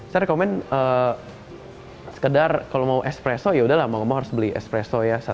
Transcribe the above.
saya rekomen sekedar kalau mau espresso yaudah lah mau mau harus beli espresso ya